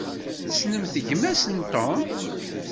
Tessnemt gma-s n Tom?